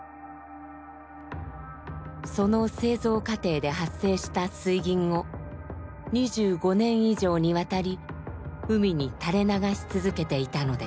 その製造過程で発生した水銀を２５年以上にわたり海に垂れ流し続けていたのです。